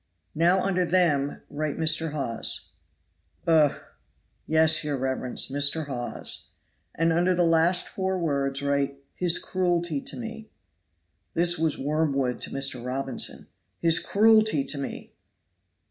"Now under 'them' write 'Mr. Hawes.'" "Ugh! Yes, your reverence, 'Mr. Hawes.'" "And under the last four words write, 'his cruelty to me.'" This was wormwood to Mr. Robinson. "'His cruelty to me!'"